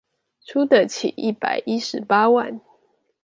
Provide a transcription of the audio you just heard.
出得起一百一十八萬